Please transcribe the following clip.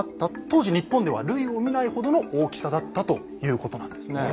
当時日本では類を見ないほどの大きさだったということなんですね。